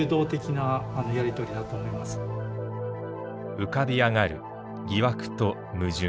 浮かび上がる疑惑と矛盾。